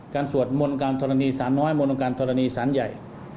สวดมนต์การธรณีสารน้อยมนตการธรณีสารใหญ่